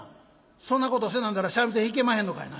「そんなことせなんだら三味線弾けまへんのかいな。